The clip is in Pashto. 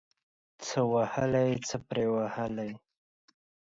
څه وهلي ، څه پري وهلي.